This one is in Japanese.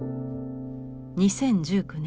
２０１９年